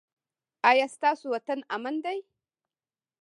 ایا ستاسو وطن امن دی؟